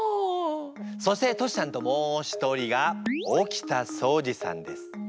そしてトシちゃんともう一人が沖田総司さんです。